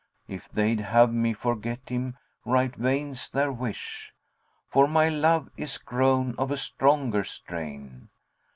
If they'd have me forget him, right vain's their wish, * For my love is grown of a stronger strain.